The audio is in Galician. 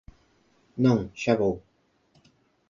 Non, xa vou.